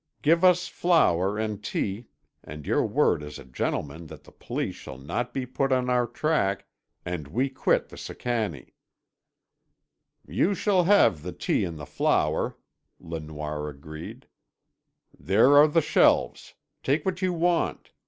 Give us flour and tea—and your word as a gentleman that the Police shall not be put on our track—and we quit the Sicannie." "You shall have the tea and the flour," Le Noir agreed. "There are the shelves. Take what you want.